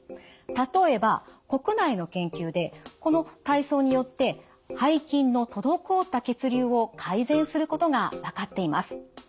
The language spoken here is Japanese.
例えば国内の研究でこの体操によって背筋の滞った血流を改善することが分かっています。